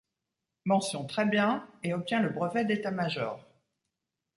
Mention très bien et obtient le brevet d'État-major.